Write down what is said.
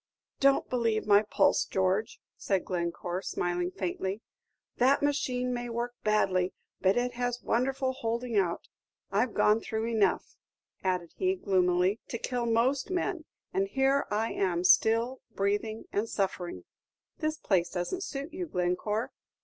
"Don't believe my pulse, George," said Glencore, smiling faintly. "The machine may work badly, but it has wonderful holding out. I 've gone through enough," added he, gloomily, "to kill most men, and here I am still, breathing and suffering." "This place doesn't suit you, Glencore.